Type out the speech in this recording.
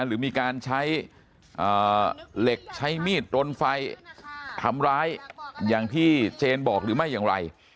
หรือมีการใช้เหล็กใช้มีดรนไฟทำร้ายอย่างที่เจนบอกหรือไม่อย่างไร